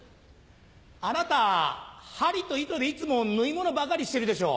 あなた針と糸でいつも縫い物ばかりしてるでしょ？